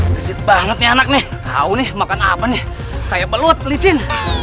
kesit banget nih anak nih tau nih makan apa nih kayak pelut licin